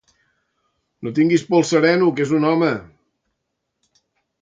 No tingues por al sereno, que és un home.